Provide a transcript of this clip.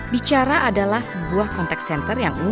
bicara adalah sebuah konteks yang sangat berharga